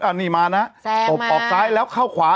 อันนี้มานะตบออกซ้ายแล้วเข้าขวา